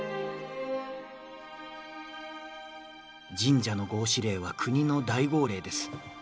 「神社の合祀令は国の大号令です。